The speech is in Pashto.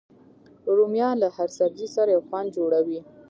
رومیان له هر سبزي سره یو خوند جوړوي